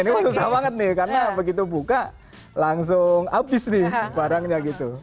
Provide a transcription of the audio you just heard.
ini susah banget nih karena begitu buka langsung habis nih barangnya gitu